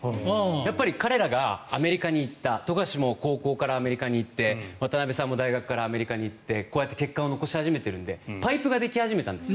やっぱり彼らがアメリカに行った富樫も高校からアメリカに行って渡邊さんも大学からアメリカに行ってこうやって結果を残し始めてるのでパイプができ始めたんです。